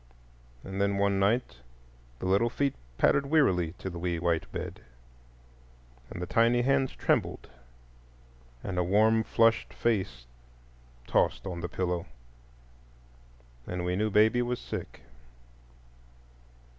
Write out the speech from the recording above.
And then one night the little feet pattered wearily to the wee white bed, and the tiny hands trembled; and a warm flushed face tossed on the pillow, and we knew baby was sick.